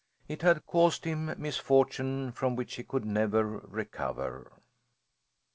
It had caused him misfortune from which he could never recover.